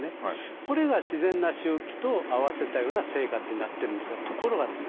これが自然な周期と合わせたような生活になってるんですがところがですね